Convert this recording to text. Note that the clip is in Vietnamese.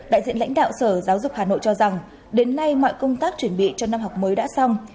đại diện lãnh đạo sở giáo dục hà nội cho rằng đến nay mọi công tác chuẩn bị cho năm học mới đã xong